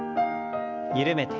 緩めて。